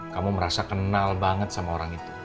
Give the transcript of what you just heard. kamu merasa kenal banget sama orang itu